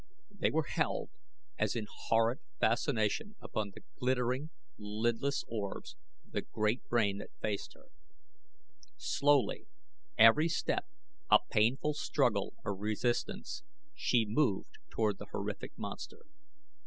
They were held as in horrid fascination upon the glittering, lidless orbs of the great brain that faced her. Slowly, every step a painful struggle of resistance, she moved toward the horrific monster.